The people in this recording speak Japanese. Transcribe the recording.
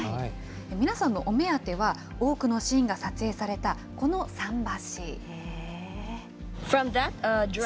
皆さんのお目当ては、多くのシーンが撮影されたこの桟橋。